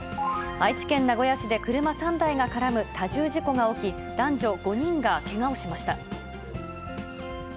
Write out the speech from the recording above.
愛知県名古屋市で車３台が絡む多重事故が起き、男女５人がけがをしました。